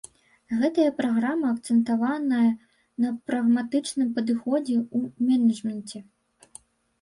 Гэтая праграма акцэнтаваная на прагматычным падыходзе ў менеджменце.